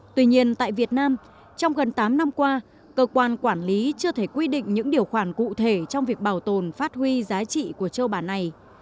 tuy nhiên tại việt nam trong gần tám năm qua cơ quan quản lý chưa thể quy định những điều khoản cụ thể trong việc bảo tồn phát huy giá trị của châu bản này